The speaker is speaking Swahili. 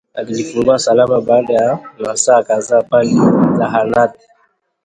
Akajifungua salama na baada ya masaa kadha pale zahanatini